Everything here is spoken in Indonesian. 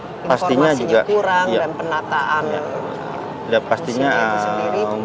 informasinya kurang dan penataan pastinya itu sendiri